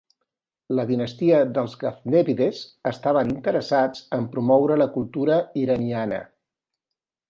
La dinastia dels gaznèvides estaven interessats en promoure la cultura iraniana.